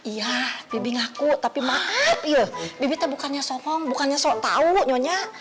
iya bibi ngaku tapi maaf ya bibi tuh bukannya somong bukannya sok tau nyonya